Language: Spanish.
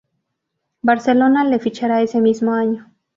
Barcelona le fichara ese mismo año.